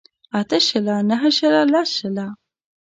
اته شله نهه شله لس شله